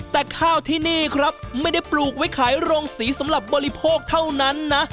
แต่ข้าวที่นี่ครับไม่ได้ปลูกไว้ขายโรงสีสำหรับบริโภคเท่านั้นนะ